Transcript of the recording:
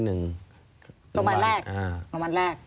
โรงพยาบาลแรก